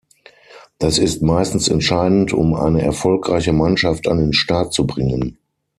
Das ist meistens entscheidend, um eine erfolgreiche Mannschaft an den Start zu bringen.